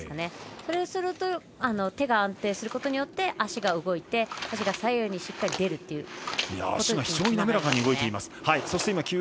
そうすると手が安定することによって足が動いて、足がしっかり左右に出るっていう。